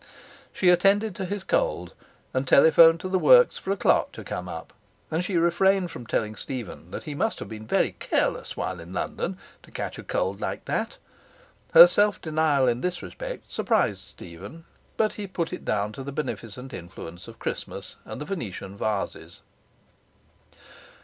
She attended to his cold, and telephoned to the works for a clerk to come up, and she refrained from telling Stephen that he must have been very careless while in London, to catch a cold like that. Her self denial in this respect surprised Stephen, but he put it down to the beneficent influence of Christmas and the Venetian vases.